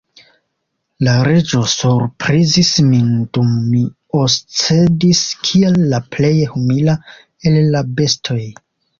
La Reĝo surprizis min, dum mi oscedis kiel la plej humila el la bestoj.